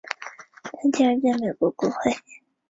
在第二届美国国会。